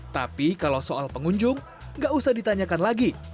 tapi kalau soal pengunjung nggak usah ditanyakan lagi